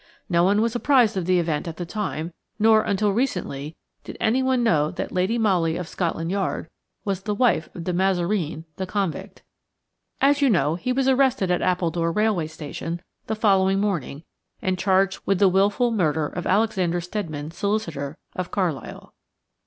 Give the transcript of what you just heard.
No one was apprised of the event at the time, nor, until recently, did anyone know that Lady Molly of Scotland Yard was the wife of De Mazareen the convict. As you know, he was arrested at Appledore railway station the following morning and charged with the wilful murder of Alexander Steadman, solicitor, of Carlisle.